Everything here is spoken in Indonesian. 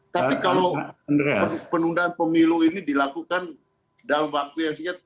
tapi kalau penundaan pemilu ini dilakukan dalam waktu yang singkat